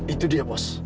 itu dia bos